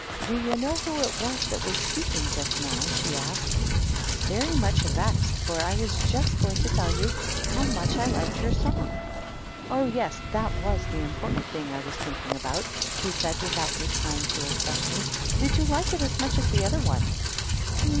"Do you know who it was that was speaking just now ?" she asked. " I was very much vexed, for I was just going to tell you how much I liked your song." " Oh, yes, that was the important thing I was thinking about," he said, without replying to her question. " Did you like it as much as the other one